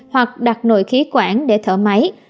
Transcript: hoặc đặt nồi khí quản để thở máy